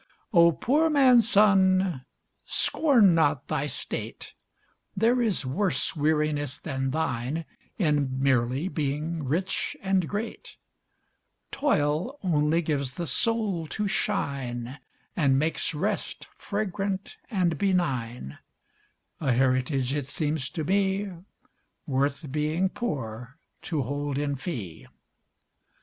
O, poor man's son! scorn not thy state; There is worse weariness than thine, In merely being rich and great; Toil only gives the soul to shine, And makes rest fragrant and benign, A heritage, it seems to me, Worth being poor to hold in fee.